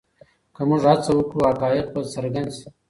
که موږ هڅه وکړو حقایق به څرګند شي.